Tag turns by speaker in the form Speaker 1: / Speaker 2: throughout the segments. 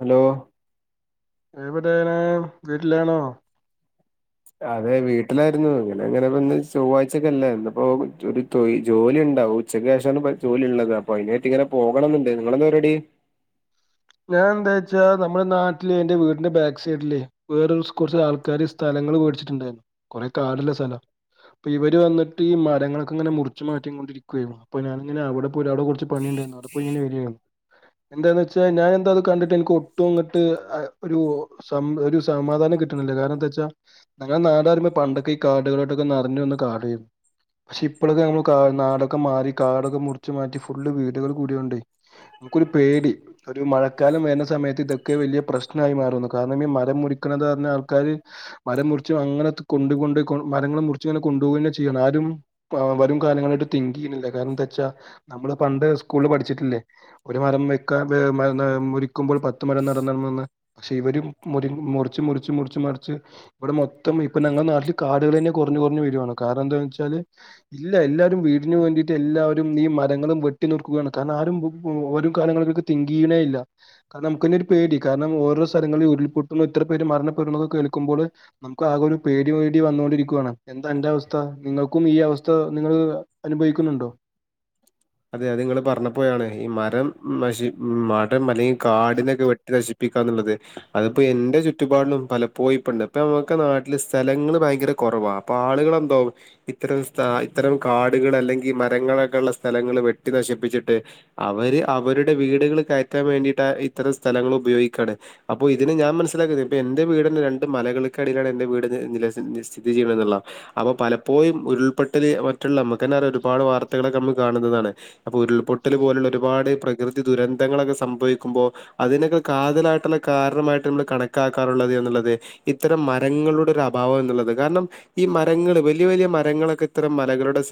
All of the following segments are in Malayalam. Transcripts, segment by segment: Speaker 1: ഹലോ
Speaker 2: എവിടെന വീട്ടിലാണോ
Speaker 1: അതെ വീട്ടിലായിരുന്നു ഇങ്ങനെ അങ്ങനെ ഇപ്പ ഇന്ന് ചൊവ്വാഴ്ചക്കല്ലേ എന്നപ്പോൊ ഒരു തൊയ് ജോലി ഉണ്ടാവും ഉച്ചയ്ക്ക് ശേഷാണ് ജോലി ഉള്ളത് അപ്പൊ അതിനട്ട് ഇങ്ങനെ പോകണംെന്നുണ്ട് നിങ്ങളെന്താ പപടി
Speaker 2: ഞാൻ എന്താ വെച്ചാ നമ്മുടെ നാട്ടിലെ എന്റെ വീടിന്റെ ബാക്ക് സൈഡിലെ വേറ കുറച്ച് ആൾക്കാർ സ്ഥലങ്ങള് മേടിച്ചിട്ടുണ്ടായിരുന്നു കൊറെേ കാടുള്ള സ്ഥല അപ്പൊ ഇവര് വന്നിട്ട് ഈ മരങ്ങളൊക്കെ ഇങ്ങെറിച്ചച്ച് മാറ്റം കൊണ്ടിരിക്കുവായിരുന്നു അപ്പൊ ഞാനിങ്ങനെ അവിടെയി അവിടെ കുറ പണി ഉണ്ടായിരുന്നു അയി ഇങ്ങനെ വരുായിരുന്നു എന്താന്ന് വെച്ചാ പ ഞാൻ എന്താ കണ്ടിട്ട് എനിക്ക് ഒട്ടും അങ്ങിട്ട്് ഒരു ഒരു സമാധാനം കിട്ടണില്ല കാരണം എന്താ വച്ചാ ഞങ്ങളെ നാടരുുമ പണ്ടൊക്കെ ഈ കാടുകളായിട്ടൊക്കെ നിറഞ്ഞ വന്ന് കാടുകും പക്ഷെ ഇപ്പോഴൊക്കെ നമ്മൾ കാ നാടൊക്കെ മാറി കാടൊക്കെ മുറിമാറ്റി ഫുള്ള് വീടുകൾ കൂടോണ്ട് നമുക്കൊരു പേടി ഒരു മഴക്കാലം വരുന്ന സമയത്ത് ഇതൊക്കെ വലിയ പ്രശ്നമായി മാറുന്നു കാരണം ഈ മരം മുറിക്കണത പറഞ്ഞ ആൾക്കാാര് മരം മുറിച്ച് അങ്ങനെ കൊണ്ട കൊണ്ട് മരങ്ങൾ മുറിച്ച്ങ്ങനെ കൊണ്ടു പോോന്നെ ചെയ്യണം ആരും വരും കാലങ്ങളായിട്ട് തിങ്ക് ചെയ്യുന്നില്ല കാരണം എന്താ വെച്ചാ നമ്മള് പണ്ട് സ്കൂളിൽ പഠിച്ചിട്ടില്ലേ ഒരു മരം വെക്കാൻ മുരിക്കുമ്പോൾ പത്ത് മരം നടന്നണംന്ന് പക്ഷെ ഇവര മു മുറിച്ച് മുറിച്ച് മുറിച്ച് മുറിച്ച് ഇവിടെ മൊത്തം ഇപ്പ ഞങ്ങളുടെ നാട്ടിൽ കാടുകൾ തന്നെ കുറഞ്ഞഞ് കുറഞ്ഞ് വരുാണ് കാരണം എന്താന്ന് വെച്ചാല് ഇല്ല എല്ലാരും വീടിനന് വേണ്ടിയിട്ട് എല്ലാവരും ഈ മരങ്ങളും വെട്ടിന നിർക്കുകയാണ് കാരണം ആരും ഓരോ കാലങ്ങളർക്ക് തിങ്ക ചെയേ ഇല്ല കാരണം നമുക്ക് ഒരു പേടി കാരണം ഓരോ സ്ഥലങ്ങളും ഉരുൾപൊട്ട ഇത്ര പേര് മരണപ്പെടുന്നതൊെ നുമ്പോൾ നമുക്ക് ആകെ ഒരു പേടി പേടി വന്നൊണ്ടിരിക്കുവയാണ് എന്താ എന്റെ അവസ്ഥ നിങ്ങൾക്കും ഈ അവസ്ഥ നിങ്ങൾ അനുഭവിക്കുന്നുണ്ടോ
Speaker 1: അതെ അത് നിങ്ങള്ൾ പറഞ്ഞപ്പോയാണ് ഈ മരം മഷി കാടും മലയും കാടിനൊക്കെ വെട്ടി നശിപ്പിച്ചിട്ട് കേൾക്കാനുള്ളത് അതിപ്പോ എന്റെ ചുറ്റുപാടിലും പലപ്പോയി ഇപ്പുണ്ട് ഇപ്പ നമുക്ക് നാട്ടില് സ്ഥലങ്ങള്ൾ ഭയങ്കര കുറവാ അപ്പൊ ആളുകെന്തകും ഇത്തരം ഇത്തരം കാടുകൾ അല്ലെങ്കിൽ മരങ്ങളൊക്കെ ഉള്ള സ്ഥലങ്ങള്ൾ വെട്ടി നശിപ്പിച്ചിട്ട് അവര് അവരുടെ വീടുകൾ കയറ്റാൻ വേണ്ടിയിട്ട് ഇത്തരം സ്ഥലങ്ങൾ ഉപയോഗിക്കുകയാണ് അപ്പൊ ഇതിന് ഞാൻ മനസ്സിലാക്കുന്നത് ഇപ്പ എന്റെ വീടിന് രണ്ടണ്ട് മലകൾക്കിടയിലാണ് എൻന്റെ വീട് സ്ഥിതി ചെയ്യണുള്ളത് അപ്പൊ പലപ്പോഴും ഉരുൾപൊട്ടല് മറ്റുള്ള നമ്മുക്കന്ന ഒരുപാട് വാർത്തകളക്കെ കാണുന്നതാണ് അപ്പൊ ഉരുൾപൊട്ടൽ പോലുള്ള ഒരുപാട് പ്രകൃതി ദുരന്തങ്ങളൊക്കെ സംഭവിക്കുമ്പോൾ അതിനൊക്കെ കാതലായിട്ടുള്ള കാരണമായിട്ട് നമ്മൾ കണക്കാക്കാറുള്ളത് എന്നുള്ളത് ഇത്തരം മരങ്ങളുടെ ഒരു അഭാവം എന്നുള്ളത് കാരണം ഈ മരങ്ങള് വലിയ വലിയ മരങ്ങളൊക്കെ ഇത്തരം മലകളുടെ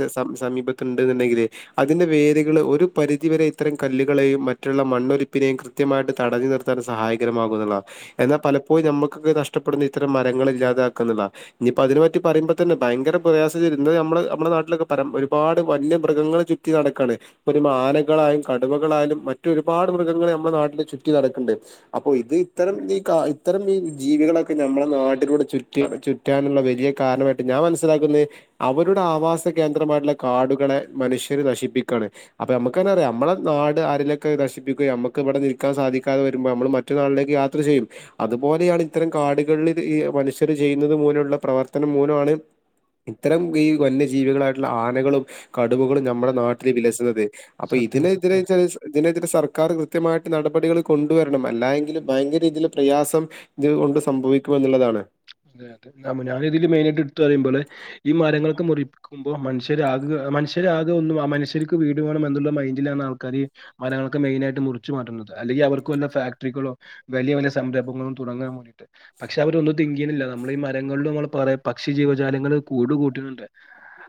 Speaker 1: സമീപത്ത് ഉണ്ട് എങ്കിലേ അതിന്റെ വേരുകൾ ഒരു പരിധിവരെ ഇത്തരം കല്ലുകളെയും മറ്റുള്ള മണ്ണൊലിപ്പിനെയും കൃത്യമായിട്ട് തടഞ്ഞു നിർത്താൻ സഹായകരമാകുന്നില്ല എന്നാൽ പലപ്പോഴും നമ്മുക്കൊക്കെ നഷ്ടപ്പെടുന്ന ഇത്തരം മരങ്ങൾ ഇല്ലാതാക്കുന്നില്ല ഇനിയിപ്പോ അതിനെ പറ്റി പറയുമ്പോ തന്നെ ഭയങ്കര പ്രയാസം നമ്മ നമ്മുടെ നാട്ടിലൊക്കെ പ ഒരുപാട് വന്യ മൃഗങ്ങൾ ചുറ്റി നടക്കാണ് ഇ ഒരു മനകളായും കടുവകളായാലും മറ്റരുപാട് മൃഗങ്ങൾ നമ്മുടെ നാട്ടില് ചുറ്റി നടക്കുന്നുണ്ട് അപ്പൊ ഇത് ഇത്തരം നീ ഇത്തരം ഈ ജീവികളൊക്കെ നമ്മുടെ നാടിലൂടെ ചുറ്റ ചുറ്റാനുള്ള വലിയ കാരണമായിട്ട് ഞാൻ മനസ്സിലാക്കുന്നത് അവരുടെ ആവാസ കേന്ദ്രമായിട്ടുള്ള കാടുകളെ മനുഷ്യ നശിപ്പിക്കാണ് അപ്പൊ നമുക്ക്ന്നെ അറിയാം നമ്മള നാട് ആരിലൊക്കെ നശിപ്പിക്കുക നമ്മുക്ക്വിടെ നിൽക്കാൻ സാധിക്കാതെ വരുമ്പോൾ നമ്മൾ മറ്റു നാളിലേക്ക് യാത്ര ചെയ്യും അതുപോലെയാണ് ഇത്തരം കാടുകളിൽ മനുഷ്യര് ചെയ്യുന്നത് മൂലുള്ള പ്രവർത്തനം മൂലമാണ് ഇത്തരം ഈ വന്യജീവികളായിട്ടുള്ള ആനകളും കടുവ നമ്മുടെ
Speaker 2: അതെ
Speaker 1: നാട്ടിൽ
Speaker 2: അതെ അതെ അതെ
Speaker 1: വിലസത് അപ്പം
Speaker 2: സത്യാണ് സത്യാണ്
Speaker 1: ഇതിനെതിരെ സർക്കാർ കൃത്യമായിട്ട് നടപടികൾ കൊണ്ടുവരണം അല്ലെങ്കിൽ ഭയങ്കര രീതിൽ പ്രയാസം ഇത് കൊണ്ട് സംഭവിക്കും എന്നുള്ളതാണ് [inaudible] [inaudible] [inaudible]
Speaker 2: അതെ അതെഞീതിൽ മെയിന ആയിട്ട് എടുു പറയുമ്പോള് ഈ മരങ്ങളൊക്കെ മുറിക്കുമ്പോൾ മനുഷ്യരാകെ മനുഷ്യരാകെ ഒന്നും മനുഷ്യർക്ക് വീട് വേണം എന്നുള്ള മൈൻഡില ആാണ് ആൾക്കാാര്ഈ മരങ്ങളൊക്കെ മെയിന ആായിട്ട് മുറിച്ചു മാറ്റുന്നത് അല്ലെങ്കിൽ അവർക്ക് വല്ല അപ്പം ഞാനിതില് മെയ നായിട്ട് ഇട്ത്ത് പറി മ്പോലെ ഈ മമരങ്ങളൊക്കെ ഞാനിതിൽ മെയ് നായ്ട്ട് ഇട്ത്ത് പറയിപള് ഈ മരങ്ങളൊക്കെ മുറിക്കുമ്പൾ മനഷ്യരാകെ ഒന്നും മനുഷ്യർക്ക് വീട് വേണമെന്ന മെയ്ൻ്റിലാണ് ആൾക്കാര് മരങ്ങളൊക്കെ മുറിച്ച് മാറ്റുന്നത് അല്ലങ്കിൽ അവർക്ക് വല്ലഫാക്ടറികളോ വലിയ വലിയ സംരംഭങ്ങളോ തുടങ്ങാൻ വേീട്ട് പക്ഷെ അവരൊന്ന് ' തിങ്ക് ചെയ്യണില്ല നമ്മള ഈ മരങ്ങളില നമ്മൾ പറ പക്ഷി ജീവജാലങ്ങൾ കൂട് കൂട്ടട്ടണ്ട്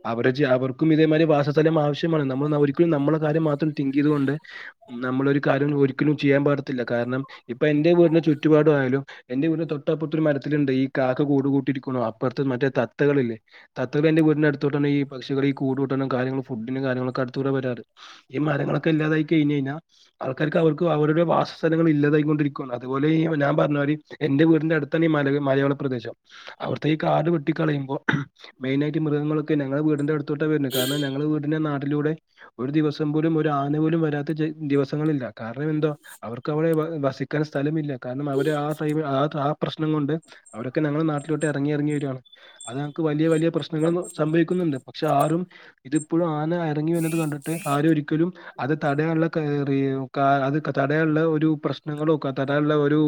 Speaker 2: അവരെ അവർക്കും ഇതേമാതിരി വാസസ്ഥലം ആവശ്യമാണ് നമ്മൾ ഒരിക്കലും നമ്മളെ കാര്യം മാത്രം തിങ്ക് ചെയ്തുകൊണ്ട് നമ്മളൊ ഒരു കാര്യം ഒര് ഒരിക്കലും ചെയ്യാൻ പാടത്തില്ല കാരണം ഇപ്പ എന്റെ വീടിന് ചുറ്റുപാട ആയാലും എന്റെ വീടിന് തൊട്ടപ്പുറത്തൊരു മരത്തി ണ്ട് ഈ കാക്ക കൂട കൂട്ടിരിക്ക അപ്പുറത്തെ മറ്റേ തത്തകളേ തത്തകൾ എന്റെറെ വീടിന്റെ അടുത്തോട്ടാണ് ഈ പക്ഷികൾ ഈ കൂട കൂട്ടണം കാര്യങ്ങളും ഫുഡിനും കാര്യങ്ങളൊക്കെ അടുത്തോടെ വരാറ് ഈ മലങ്ങളൊെല്ലാതായി കഴിഞ്ഞ് കഴിഞ്ഞാ ആൾക്കാർക്ക് അവർക്ക് അവരുടെ വാസസ്ഥലങ്ങ ഇല്ലാതായികൊണ്ടിരിക്ക അതുപോലെ ഞാൻ പറഞ്ഞ എന്റെ വീടിന്റെ അടുത്തന്നെ ഈ മക മലയോര പ്രദേശം അവിത്തെ ഈ കാട് വെട്ട കളയുമ്പോ മെയിനായിട്ട് മൃഗങ്ങളൊക്കെ ഞങ്ങളുടെ വീടിന്റെ അടുത്ത് തോട്ട വരുന്നെ കാരണം ഞങ്ങൾ വീടിന്റെ നാ ൻ്റെ കൂടെ ഒരു ദിവസം പോലും ഒരു ആന പോലും വരാത്ത ദിവസങ്ങളില്ല കാരണം ന്തോ അവർക്ക് അവിടെ വസിക്കാൻ കാൻ സ്ഥലമില്ല കാരണം അവര് ആ ടൈമ് ആ ടാ പ്രശ്നം കൊണ്ട് അവരൊക്കെ ഞങ്ങളെ നാട്ടിലോട്ട് ഇറങ്ങി ഇറങ്ങി വരുയാണ് അത് ഞങ്ങക്ക് വലിയ വലിയ പ്രശ്നങ്ങൾ സംഭവിക്കുന്നുണ്ട് പക്ഷെ ആരും ഇതിപ്പോഴും ആന ഇറങ്ങി വരുന്നത് കണ്ടിട്ട് ആര ഒരിക്കലും അത് തടയാനുള്ള കാര്യം കാ അത് തടയാനുള്ള ഒരു പ്രശ്നങ്ങളും ഒക്കെ തടയാനുള്ള ഒരു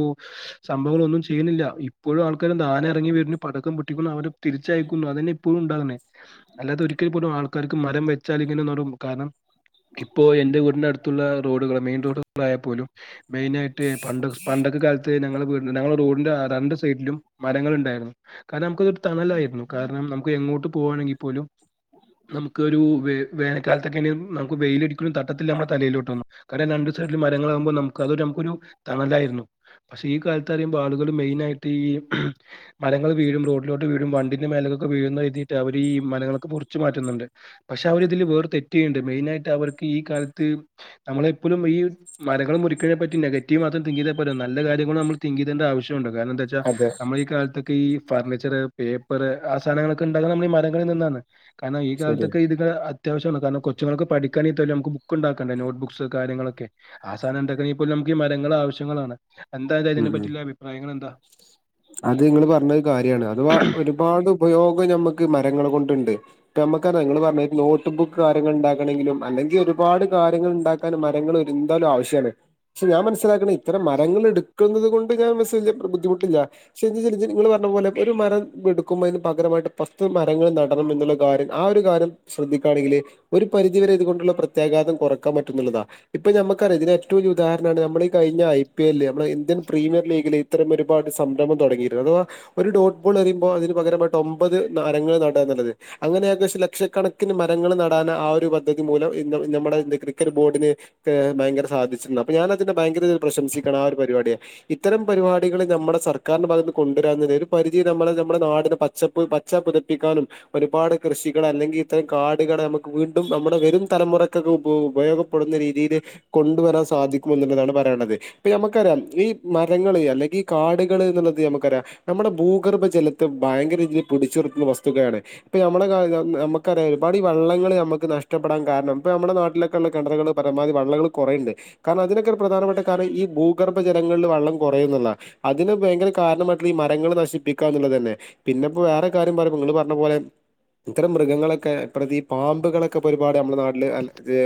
Speaker 2: സംഭവങ്ങളൊന്നും ചെയ്യുന്നില്ല ഇപ്പ ഇപ്പോഴും ആൾക്കാരും ആന ഇറങ്ങി വരുന്നു പടക്കം പൊട്ടിക്കുന്നു അവര് തിരിച്ചയക്കുന്നു അതന്നെ ഇപ്പോഴും ഉണ്ടാകണേ അല്ലാതെ ഒരിക്കൽ പോലും ആൾക്കാർക്ക് മരം വെച്ചാ ഇങ്ങനെ നടും കാരണം ഇപ്പോ എൻന്റെ വീടിന്റെ അടുത്തുള്ള റോഡുക മെയിൻ റോഡുകള ആയ പോലും മെയിൻ ആയിട്ട് പണ്ടൊ പണ്ടത്തെ കാലത്ത് ഞങ്ങളെ വീടിൻ്റെ ഞങ്ങളെ റോഡ ൻ്റെ രണ്ട് സൈഡിലും മരങ്ങൾ ഉണ്ടായിരുന്നു കാരണം നമുക്കതൊരു തണലായിരുന്നു കാരണം നമുക്ക് എങ്ങോട്ട് പോകവാണെങ്കിൽ പോലും നമുക്ക് ഒരു വേ വേനക്കാലത്തൊക്കെ നമുക്ക് വെയിലടിക്കലും തട്ടത്തിൽ നമ്മുടെ തലയിലോട്ട് വന്നു കാരണം രണ്ട് സൈഡിൽ മരങ്ങളാകുമ്പോൾ നമു നമക്കൊരു തണലായിരുന്നു പക്ഷെ ഈ കാലത്ത് അറിയുമ്പോ ആളുകൾ മെയിനായിട്ട് ഈ മരങ്ങൾ വീഴും റോഡിലോട്ട് വീഴും വണ്ടിന്റെ മേലകക്കൊക്കെ വീഴുന്ന എഴുതിട്ട് അവര് ഈ മലങ്ങളൊക്കെ മുറിച്ച് മാറ്റുന്നുണ്ട് പക്ഷെ അവർ ഇതില് വേറെ തെറ്റുണ്ട് മെയിനായിയിട്ട് അവർക്ക് ഈ കാലത്ത് നമ്മളെപ്പോഴും ഈ മലങ്ങൾ മുറിക്കതിനെ നെഗറ്റീവ് മാത്രം തിങ്ക് ചെയ്ത പോരാ നല്ല കാര്യങ്ങളും നമ്മൾ തിങ്ക് ചെയ്യണ ആവശ്യമുണ്ട് കാരണം ദ
Speaker 1: അതെ
Speaker 2: നമ്മളി കാലത്തൊക്കെ ഈ ഫർണിച്ചറ് പേപ്പറ് ആ സധനങ്ങളൊക്കെണ്ടകുന്ന നമ്മൾ ഈ മരങ്ങളിൽ നിന്നാണ് കാരണം ഈ
Speaker 1: ശരിയാ.
Speaker 2: കാലത്തൊക്കെ ഇതൊകെ അത്യാവശ്യാണ് കാരണം കൊ കൊച്ചുങ്ങൾക്ക് പഠിക്കാനിതൊ ബുക്കി ഉണ്ടാക്കണ്ടെ നോട്ടുബുക്ക്സോ കാര്യങ്ങളൊക്കെ ആ സധനം ഉണ്ടാക്കണെങ്കി പോലും നമുക്ക് മരങ്ങൾ ആവശ്യമാണ് എന്താ അത്
Speaker 1: ഉം
Speaker 2: അതിനെ
Speaker 1: ഉം
Speaker 2: പറ്റിയുള്ള അഭിപ്രായങ്ങൾ എന്താ?
Speaker 1: അത് നിങ്ങള് പറഞ്ഞത് കാര്യമാണ് അതവാ ഒരുപാട് ഉപയോഗം ഞമ്മക്ക് മരങ്ങൾ കൊണ്ടിണ്ട് ഇപ്പ നമുക്ക ഞങ്ങള് പറഞ്ഞ നോട്ട് ബുക്ക് കാര്യങ്ങൾ ഉണ്ടാക്കണമെങ്കിലും അല്ലെങ്കിൽ ഒരുപാട് കാര്യങ്ങൾ ഇണ്ടാക്കാനും മരങ്ങൾ എന്താലും ആവശ്യമാണ് പക്ഷെ ഞാൻ മനസ്സിലാക്കുന്നത് ഇത്ത മരങ്ങൾ എടുക്കുന്നത് കൊണ്ട് ഞാസെഞ്ചെത്രെ ബുദ്ധിമുട്ടില്ല ച [unintelligible] നിങ്ങൾ പറഞ്ഞ പോലെ ഒരു മരം എടുക്കുമ്പോൾ അതിന് പകരമായിട്ട് പത്ത് മരങ്ങൾ നടണം എന്നുള്ള കാര്യം ആ ഒരു കാര്യം ശ്രദ്ധിക്കയാണെങ്കില് ഒരു പരിധിവരെ ഇതൊണ്ടുള്ള പ്രത്യാഘാതം കുറക്കാൻ പറ്റുന്നതാണ് ഇപ്പൊ നമുക്കറാം ഇതിന് ഏറ്റവും വല ഉദാരമാണ് നമ്മ ഈ കഴിഞ്ഞ ഐ പി എല്ലില് നമ്മള് ഇന്ത്യൻ പ്രീമിയർ ലീഗില് ഇത്തരം ഒരുപാട് സം കുമ്പതൊടങ്ങിണ് അഥവാ ഒരു ഡോൾ ബോൾ എറിയ്പോ അതിന് പകരമായിട്ട് ഒമ്പത് നാരങ്ങനട എന്നുള്ളത് അങ്ങനെ ഏകദേഷം ലക്ഷക്കണക്കിന് മരങ്ങൾ നടാൻ ആ ഒരു പദ്ധതി മൂലം ഇന്ന് നമ്മുടെ ക്രിക്കറ്റ് ബോർഡിന് ഏഹ് ഭയങ്കര സാധിച്ചിട്ടരുന്നു അപ്പൊ ഞാൻ അതിനെ ഭയങ്കര പ്രശംസിക്കണം ആ ഒരു പരിപാടിയെ ഇത്തരം ഒരു പരിപാടികൾ നമ്മുടെ സർക്കാർ കാരണം അത് ഇന്ന് കൊണ്ടുവരന്നത് ഒരു പരിതി നമ്മള് നമ്മുടെ നാടിനെ പച്ചപ്പ പച്ച പുതപ്പിക്കാനും ഒരുപാട് കൃഷികളെ അല്ലെങ്കിൽ ഇത്തരം കാടുകളെ നമുക്ക് വീണ്ടും നമ്മുടെ വെരും തലമുറക്കൊക്കെ ഉപയോഗപ്പെടുന്ന രീതിയിൽ കൊണ്ടുവരാൻ സാധിക്കും എന്നുള്ളതാണ് പറയണത് ഇപ്പ നമക്കറിയാം ഈ മരങ്ങള് അല്ലെങ്കിൽ കാട് ുള്ളത് നമുക്കറിയ നമ്മുടെ ഭൂഗർഭ ജലത്ത് ഭയങ്കര ഇതിൽ പിടിച്ചുരുത്തുന്ന വസ്തുക്കയാണ് ഇപ്പ നമ്മള് [inaudible] ഇപ്പ നമുക്കറിയ ഒരുപാട് ഈ വള്ളങ്ങള്ൾ നമുക്ക് നഷ്ടപ്പെടാൻ കാരണം നമ്മുടെ നാട്ടിലൊക്കെുള്ളള്ള കിണറുകൾ പരമാവധി വള്ളങ്ങൾ കുറയുണ്ട് കാരണം അതിനൊക്കെ ഒരു പ്രധാനപ്പെട്ട കാരണം ഈ ഭൂഗർഭജലങ്ങളിൽ വെള്ളം കുറയും എന്നുള്ളതാ അത് ഇതിന് ഭയങ്കര കാരണമായിട്ട് ഈ മരങ്ങൾ നശിപ്പിക്ക എന്നുള്ളത് തന്നെ പിന്നെ ഇപ്പോ വേറെ കാര്യം പറയുമ്പ ഇങ്ങള് പറഞ്ഞ പോലെ ഇത്തരം മൃഗങ്ങളൊക്കെ പ്രതി പാമ്പുകളൊക്കെ ഒക്കെപരിപാടി നമ്മുടെ നാട്ടില്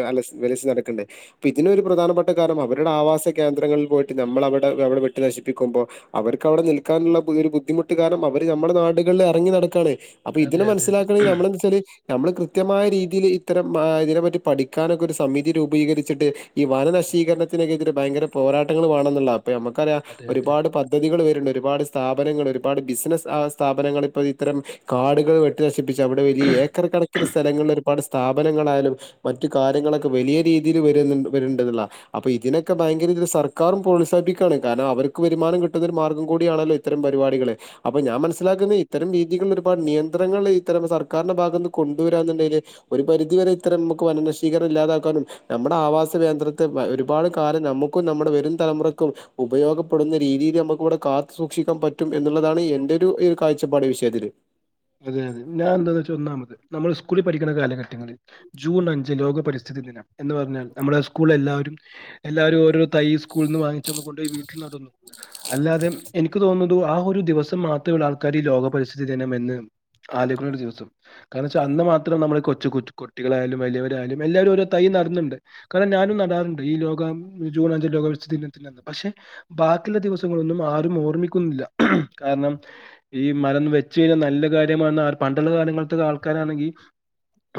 Speaker 1: അലസി വെലബി [unintelligible] ണ്ട് പി ഇതിനൊരു പ്രധാനപ്പെട്ട കാരണം അവരുടെ ആവാസകേന്ദ്രങ്ങളിൽ പോയിട്ട് നമ്മൾ അവിടെ അവിടെ വെട്ടി നശിപ്പിക്കുമ്പോ അവർക്ക് അവിടെ നിൽക്കാനുള്ള ബുദ്ധി ബുദ്ധിമുട്ട് കാരണം അവര് നമ്മെ നാടുകളിൽ ഇറങ്ങി നടക്കാണ് അപ്പൊ
Speaker 2: അതെ
Speaker 1: ഇതിനെ
Speaker 2: അതെ അതെ
Speaker 1: മനസ്സിലാക്കണെങ്കി നമ്മളെന്താ വെച്ചാല് നമ്മൾ കൃത്യമായ രീതിയിൽ ഇത്തരം ഇതിനെപ്പറ്റി പഠിക്കാനൊക്കെ ഒരു സമിതി രൂപീകരിച്ചിട്ട് ഈ
Speaker 2: ഉം.
Speaker 1: വനശീകരണനെത്തിനതിരെ ഭയങ്കര പോരാട്ടങ്ങൾ വേണന്നെ ഉള്ളാണ് പ്പ ഞമ്മക്കറിയാ
Speaker 2: അതെ അതെ
Speaker 1: ഒരുപാട്
Speaker 2: അതെ
Speaker 1: പ ണ്ട് ഒരുപാട് സ്ഥാപനങ്ങള് ഒരുപാട് ബിസ്നസ് അ സ്ഥാപനങ്ങൾ ഇപ്പോ ഇത്തരം കാടുകൾ വെട്ടി നശിപ്പിച്ച് ഷിപ്പിച്ച് അവിടെ ഈ ഏക്കണക്കിന് സ്ഥലങ്ങള് ഒരുപാട് സ്ഥാപനങ്ങളായാലും മറ്റു കാര്യങ്ങളൊക്കെ വലിയ രീതിയിൽ വരുന്നുണ്ട് വര്ണ്ട്ല്ല അപ്പൊ ഇതിനൊക്കെ ഭയങ്കര സർക്കാരും പ്രോത്സാഹിപ്പിക്കാണ് കാരണം അവർക്ക് വരുമാനം കി പ്പതൊരു മാർഗം കൂടിയണല്ലോ ഇത്തരം പരിപാടികള് അപ്പൊ ഞാൻ മനസ്സിലാക്കുന്നത് ഇത്തരം രീതികളിൽ ഒരുപാട് നിയന്ത്രങ്ങൾ ഇത്തരം സർക്കാർന്റെ ഭാഗന്ന് കൊണ്ട് വരാന്ന്ണ്ടേൽ ഒരു പരിധി വരെ ഇത്തരം നമുക്ക് വനനശീകരം ഇല്ലാതാക്കാനും നമ്മുടെ ആവാസ കേന്ദ്രത്തെ വ ഒരുപാട് കാലം നമുക്കും നമ്മുടെ വരും തലമുറക്കും ഉപയോഗപ്പെടുന്ന രീതിയില് നമുക്കവ്ടെ കാത്തു സൂക്ഷിക്കാൻ പറ്റും എന്നുള്ളതാണ് എന്റെ ഒരു കാഴ്ചപ്പാട് വിഷയത്തില്
Speaker 2: അതെ അതെ ഞാൻ എന്താന്നാച്ച ഒന്നാമത്തെ നമ്മള് സ്കൂളിൽ പഠിക്കുന്ന കാലഘട്ടങ്ങളിൽ ജൂൺ അഞ്ച് ലോക പരി സ്തിതി ദിനം എന്ന് പറഞ്ഞാൽ നമ്മളെ സ്കൂളിലെല്ലാവരും എല്ലാവരും ഓരോ തൈ സ്കൂൾന്ന് വാങ്ങിച്ചന്ന് കൊണ്ടോയി വീട്ടിൽ നടുന്നുന്നു അല്ലാതെ എനിക്ക് തോന്നു ന്നു ആ ഒരു ദിവസം മാത്രമേള്ളു ആൾക്കാർ ലോകപരിസ്ഥിതി ദിനമെന്ന് ആലോയ്ക്ക്ണ ഒരു ദിവസം കാരണംച്ചാ അന്ന് മാത്രം നമ്മൾ കൊച്ചു കുട്ടികളായാലും വലിയവരായാലും എല്ലാവരും ഓരോ തൈ നടന്നുണ്ട് കാരണം ഞാനും നടാറുണ്ട് ഈ ലോക ജൂൺ അഞ്ച ലോകവസ്ഥി ദിനത്തിൽന്ന് പക്ഷെ ബാക്കിയുള്ള ദിവസങ്ങളൊന്നും ആരും ഓർമ്മിക്കുന്നില്ല കാരണം ഈ മരം വെച്ചയ്ഴിഞ്ഞാൽ നല്ല കാര്യ [unintelligible] പണ്ട്ല്ല കാലങ്ങൾത്തെ ആൾക്കാരാന്നെങ്കി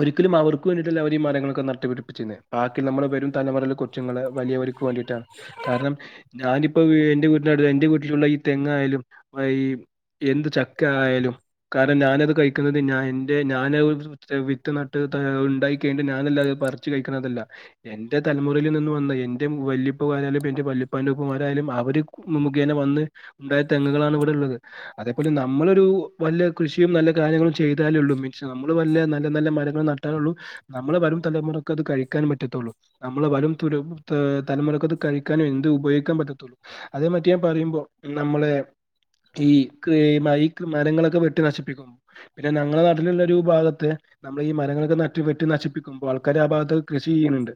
Speaker 2: ഒരിക്കലും അവർക്ക് വേണ്ടിട്ടല്ല അവരീ മരങ്ങളൊക്കെ നട്ടുപടിപ്പിച്ചിന്നേ ബാക്കി നമ്മൾ വരും തലമുറയിൽ റ്റുങ്ങള് വലിയവര്ക്ക് വേണ്ടിട്ടാണ് കാരണം ഞാനി ഇപ്പൊ വീ എന്റെ വീട്ടിനടു എന്റെ വീട്ടിലുള്ള ഈ തെങ്ങായാലും പ്പ ഈ എന്ത് ചക്ക ആയാലും കാരണം ഞാനത് കഴിക്കുന്നത് ഞൻ എന്റെ ഞൻ വിത്ത് നട്ട് ഉണ്ടാക്കി ഞാനല്ല അത് പറിച്ച് കഴിക്കണതല്ല എന്റെ തലമുറയിൽ നിന്ന് വന്ന എന്റെ വല്യപ്പമാരായാലും എന്റെ വല്യപ്പാൻന്റുപ്പമാരായാലും അവര് മുഖേന വന്ന് ഉണ്ടായ തെങ്ങുകളാണ് ഇവിടെ ഉള്ളത് അതേപോലെ നമ്മളൊരു വ കൃഷിയും നല്ല കാര്യങ്ങളും ചെയ്താലേള്ളൂ മീൻസ് നമ്മള് വല്ല നല്ല നല്ല മരങ്ങൾ നട്ടാലൊള്ളൂ നമ്മളെ വരും തലമുറക്ക് അത് കഴിക്കാനും പറ്റത്തുള്ളൂ നമ്മളെ വരും തു തലമുറക്ക് അത് കഴിക്കാനും എന്ത് ഉപയോഗിക്കാൻ പറ്റത്തുള്ളൂ അതേ മറ്റി ഞാൻ പറയുമ്പോ നമ്മളെ ഈക് മൈക് മരങ്ങളൊക്കെ വെ ട്ടി നശിപ്പിക്കുന്നു പിന്നെ ഞങ്ങളുടെ നാട്ടിലുള്ള ഒരു ഭാഗത്ത് നമ്മൾ ഈ മരങ്ങളൊക്കെ നറ്റു വെറ്റു നശിപ്പിക്കുമ്പോൾ ആൾക്കാര് ആ ഭാഗത്തൊക്കെ കൃഷി ചെയ്യുന്നുണ്ട്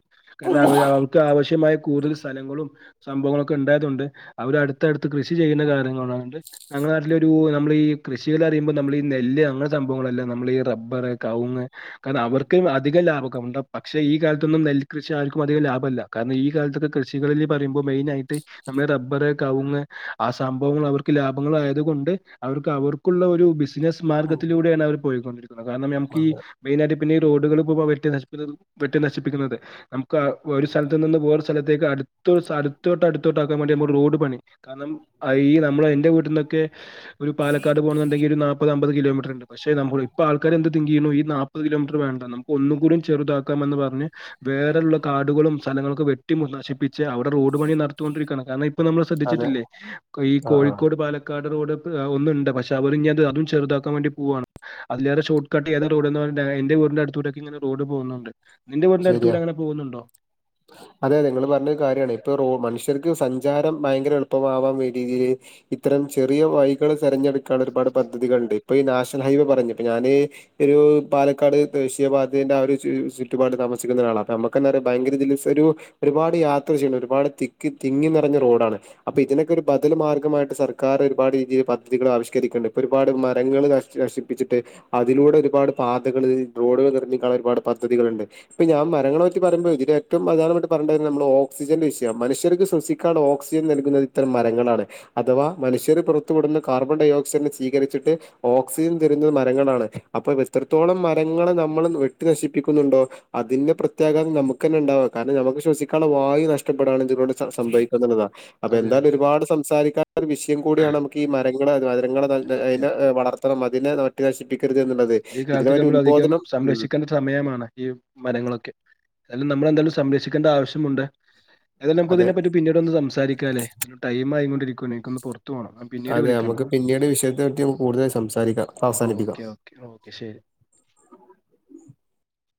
Speaker 2: എന്ന അവര് അവർക്ക് ആവശ്യമായ കൂടുതൽ സ്ഥലങ്ങളും സംഭവങ്ങളൊക്കെണ്ടായതൊണ്ട് അവരട്ത്തട്ത്ത് കൃഷി ചെയ്യുന്ന കാര്യങ്ങളണ്ട് ഞങ്ങളുടെ നാട്ടിലാെരു നമ്മൾ ഈ കൃഷിടെ തെയ്യുമ്പ നമ്മള് നെല്ല് അങ്ങനെ സംഭവങ്ങളല്ല നമ്മൾ ഈ റബ്ബർ കവങ്ങ് കര്ണം അവർക് അധിക ലാഭ മക്ക പക്ഷെ ഈ കാലത്തൊന്നും നെല് കൃഷി ആർക്കും അധികം ലാഭമല്ല കാരണം ഈ കാലത്തൊക്കെ കൃഷികളിൽ പറയുമ്പോൾ മെയിന ആയിട്ട് നമ്മ റബ്ബർ കവുങ്ങ് ആ സംഭവങ്ങൾ അവർക്ക് ലാഭങ്ങളൾ ആയത കൊണ്ട് അവർക്ക് അവർക്കുള്ളഒ റ്റു ബിസ് സ്നസ്
Speaker 1: ഉം
Speaker 2: മാർഗത്തിലൂടെയാണ് അവർ പോയികൊണ്ടിരി കാരണം ഞമക്കീ മെയ്നായിട്ട് പിന്നെ ഈ റോഡുകൾപ്പൊ വെട്ടി നശിപ്പി വെട്ടി നശിപ്പിക്കുന്നത് നമുക്ക് ഒരു സ്ഥലത്ത് നിന്ന് വേറെരു സ്ഥലത്തേക്ക് അടുത്ത് ഒര് സെലത്തോട്ട് അടുത്തോട്ട് ആക്കാൻ വേണ്ടി നമ്മ റോഡ് പണി കാരണം അ ഈ നമ്മൾ എന്റെ വീട്ടിന്നൊക്കെ ഒരു പാലക്കാട് പോണ ണ്ടെങ്കില് ഒര് നാപ്പത് അമ്പത് കിലോമീറ്ററ്ണ്ട് പക്ഷെ നമ്മൾ ഇപ്പ ആൾക്കാര് എന്ത് തിങ് ചെയ്യുന്നു ഈ നാപ്പത് കിലോമീറ്റർ വേണ്ട നമുക്ക് ഒന്നും കൂടി ചെറുതാക്കാംമെന്ന് പറഞ്ഞ് വേറെ ഉള്ള കാടുകളും സ്ഥലങ്ങളക്കെ വെട്ടിമു നശിപ്പിച്ച് അവ്ടെ റോഡ് പണി നടത്തൊണ്ടിരിക്കാണ് കാരണം ഇപ്പം നമ്മള്
Speaker 1: അതെ
Speaker 2: ശ്രദ്ധിച്ചിട്ടില്ലേ ഈ
Speaker 1: ആ ആ
Speaker 2: കോഴിക്കോട് പാലക്കാട് റോഡ് ഒന്ന്ണ്ട് പഷേ സവറിഞ്ഞത് അതും ചെറുതാക്കാ വേണ്ടി പോവാണ് അതിലേറെ ഷോർട്ട് കട്ട് ഏത് റോഡ്ന്ന് പറഞ്ഞ്ട്ട് അയ്ന്റെ റോഡിന്റെ അട്ത്തൂടൊക്കെങ്ങെനെ റോഡ് പോകുന്നുണ്ട് നിന്റെ വീടിന്റെ
Speaker 1: ശര്യ
Speaker 2: അടുത്തൂടെ അങ്ങനെ പോകുന്നുണ്ടോ
Speaker 1: അതെ അതെ ഇങ്ങള് പറഞ്ഞ കാര്യാണ് ഇപ്പൊ റോ മനുഷ് ഇവർക്ക് സഞ്ചാരം ഭയങ്കെര എളുപ്പമാവാൻ വേണ്ടി [unintelligible] ഇത്തരം ചെറിയ വൈകള് തെരഞ്ഞെടുക്കാള്ളൊരു പാട് പദ്ധതികൾണ്ട് ഇപ്പൊ ഈ നാഷണൽ ഹൈവേ പറഞ്ഞു ഇപ്പ ഞാന് ഇ ഒരു പാലക്കാട് ദേശീയപാതന്റെ ആഹ ഒരു [unintelligible] ഒരുപാട് താമസിക്കുന്ന ഒരാള അപ്പമ്മക്കന്നെറിയ ഭയങ്കെരതിള്ള [unintelligible] ഒരുപാട് യാത്ര ചെയ്യണ്ട ഒരുപാട് തിക്കി തിങ്ങി നെറഞ്ഞ റോഡാണ് അപ്പൊ ഇതിനൊക്കെ ഒരു ബദൽ മാർഗമായിട്ട് സർക്കാർ ഒരുപാട് രീതിൽ പദ്ധതികൾ ആവിഷ്കരിക്കുണ്ട് ഇപ്പൊ ഒരുപാട് മരങ്ങള് നശിപ്പിച്ചിട്ട് അതിലൂടെ ഒരുപാട് പാതകള് റോഡുകൾ നിർഞ്ഞിക്കുള്ള ഒരുപാട് പദ്ധതികള്ണ്ട് ഇപ്പൊ ഞാൻ മരങ്ങളെ പറ്റി പറയ്മ്പോ ഇതിൽ ഏറ്റവും പ്രധാനപ്പെട്ട് പറയേണ്ട നമ്മള് ഓക്സിജന്റെ വിഷ്യയം മനുഷ്യർക്ക് ശ്വസിക്കാള്ള ഓക്സിജൻ നൽക്ന്നത് ഇത്തരം മരങ്ങളാണ് അഥവാ മനുഷ്യർ പുറത്തു വിടുന്ന കാർബൺഡെഓക്സൈഡിനെ സ്വീകരിച്ചിട്ട് ഓക്സിജൻ തെരുന്നത് മരങ്ങളാണ് അപ്പൊ എത്രത്തോളം മരങ്ങളെ നമ്മള് വെട്ടി നശിപ്പിക്കുന്നുണ്ടോ അതിന്റെ പ്രത്യാകത നമുക്ക ന്നെണ്ടാവ കാരണം നമക്ക് ശ്വസിക്കാൻള്ള വായു നഷ്ടപ്പെടാണ് ഇതിനോണ് സംഭവിക്കുന്നുള്ള അപ്പൊ
Speaker 2: അതെ
Speaker 1: എന്തായാലും
Speaker 2: അതെ
Speaker 1: ഒരുപാട് സംസാരിക്കാത്ത ഒരു വിഷ്യയ കൂടിയാണ് നമുക്ക് ഈ മരങ്ങള്
Speaker 2: ഉം,
Speaker 1: മരങ്ങളെ അയ്നെ വളർത്തണം അതിനെ നട്ട് നശി
Speaker 2: ഈകാലത്ത് നമ്മൾ അധികം
Speaker 1: ഉം
Speaker 2: സംരക്ഷിക്കണ്ട സമയമാണ് ഈ മരങ്ങളൊക്കെ എല്ല നമ്മളെന്തായാലു സംരക്ഷിക്കേണ്ട ആവശ്യമുണ്ട് അതന്നെ നമുക്
Speaker 1: അതെ
Speaker 2: അതനെ പറ്റി പിന്നീട്ഒന്ന് സംസാരിക്കാല്ലെ ടൈമായി കൊണ്ട് [unintelligible] പൊർ
Speaker 1: അതെ നമുക്ക് പിന്നീട് വിഷയത്തെ പറ്റി കൂടുതൽ സംസാരിക്കാം അവസാനിപ്പിക്കാം
Speaker 2: ഓക്കെ, ഓക്കെ, ഓക്കെ ശരി